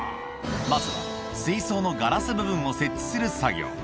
まずは水槽のガラス部分を設置する作業。